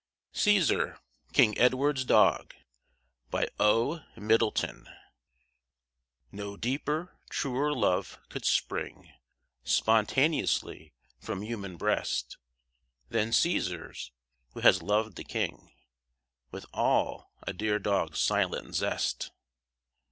CÆSAR, KING EDWARD'S DOG No deeper, truer love could spring Spontaneously from human breast Than Cæsar's, who has loved the king With all a dear dog's silent zest.